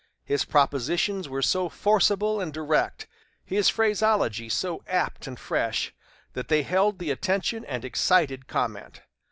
His propositions were so forcible and direct, his phraseology so apt and fresh, that they held the attention and excited comment.